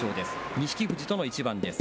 錦富士との一番です。